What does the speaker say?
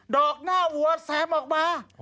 อกหน้าวัวแซมออกมา